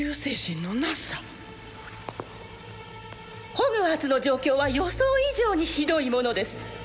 ホグワーツの状況は予想以上にひどいものです